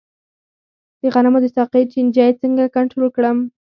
د غنمو د ساقې چینجی څنګه کنټرول کړم؟